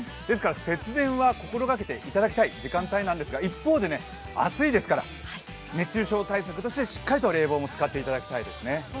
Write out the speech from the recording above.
節電は心がけていただきたい時間帯なんですが、一方で、暑いですから熱中症対策としてしっかりと冷房も使っていただきたいですね。